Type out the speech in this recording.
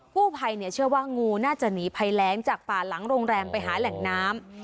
ผู้ภัยเชื่อว่างูน่าจะหนีภัยแรงจากป่าหลังโรงแรมไปหาแหล่งน้ำ